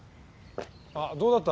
あっどうだった？